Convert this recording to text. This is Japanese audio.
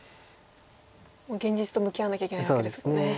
もう現実と向き合わなきゃいけないわけですもんね。